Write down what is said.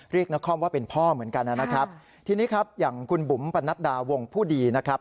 นครว่าเป็นพ่อเหมือนกันนะครับทีนี้ครับอย่างคุณบุ๋มปนัดดาวงผู้ดีนะครับ